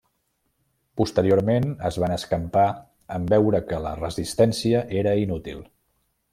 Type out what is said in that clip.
Posteriorment es van escampar en veure que la resistència era inútil.